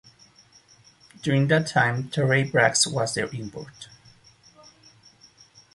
During that time, Torraye Braggs was their import.